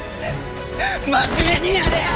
真面目にやれよ！